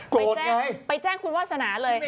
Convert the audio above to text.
โกรธไงไปแจ้งคุณวาสนาเลย